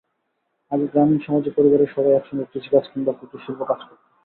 আগে গ্রামীণ সমাজে পরিবারের সবাই একসঙ্গে কৃষিকাজ কিংবা কুটিরশিল্পে কাজ করত।